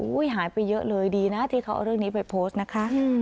หายไปเยอะเลยดีนะที่เขาเอาเรื่องนี้ไปโพสต์นะคะ